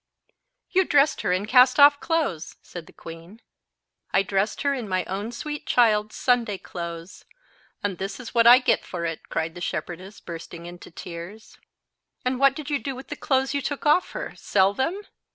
"You dressed her in cast off clothes," said the queen. "I dressed her in my own sweet child's Sunday clothes. And this is what I get for it!" cried the shepherdess, bursting into tears. "And what did you do with the clothes you took off her? Sell them?"